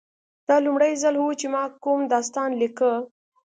دا لومړی ځل و چې ما کوم داستان لیکه